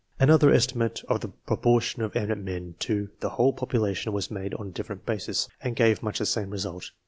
Another estimate of the proportion of eminent men to the whole population was made on a different ba, sis, and gave much the same result.